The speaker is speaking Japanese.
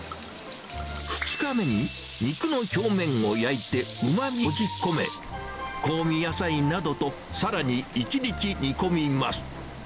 ２日目に肉の表面を焼いて、うまみを閉じ込め、香味野菜などとさらに１日煮込みます。